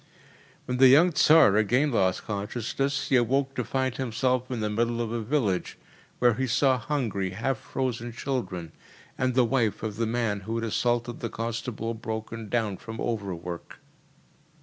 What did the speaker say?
When the young Tsar again lost consciousness, he awoke to find himself in the middle of a village, where he saw hungry, half frozen children and the wife of the man who had assaulted the constable broken down from overwork.